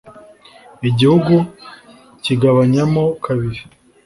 igihugu kigabanyamo kabiri,